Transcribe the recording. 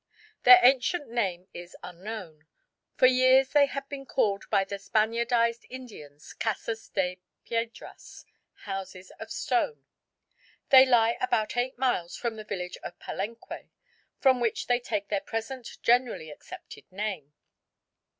Their ancient name is unknown. For years they had been called by the Spaniardised Indians Casas de Piedras (Houses of Stone). They lie about eight miles from the village of Palenque, from which they take their present generally accepted name.